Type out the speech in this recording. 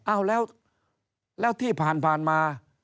อ้าวแล้วที่ผ่านมา